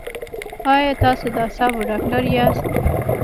ایا تاسو د اعصابو ډاکټر یاست؟